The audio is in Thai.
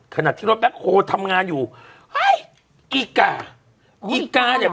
ขณะที่รถแบ็คโฮลทำงานอยู่เฮ้ยอีกาอีกาเนี่ย